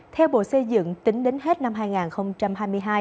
theo bộ xây dựng tính đến hết năm hai nghìn hai mươi hai